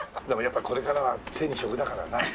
でもやっぱこれからは手に職だからな。